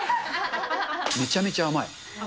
めちゃめちゃ甘い。